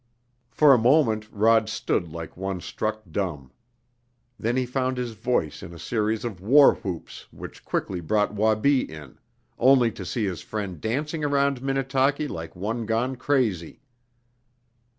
For a moment Rod stood like one struck dumb. Then he found his voice in a series of war whoops which quickly brought Wabi in, only to see his friend dancing around Minnetaki like one gone crazy.